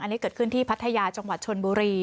อันนี้เกิดขึ้นที่พัทยาจังหวัดชนบุรี